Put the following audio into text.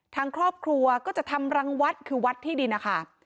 ทางครอบครัวก็จะทำรังวัดคือวัดที่ดินนะคะ